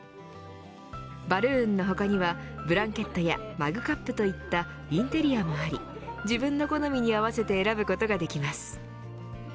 バルーンの他にはブランケットやマグカップといったインテリアもあり自分の好みに合わせて選ぶことができます。